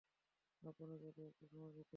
আপনি যদি একটু সময় দিতেন।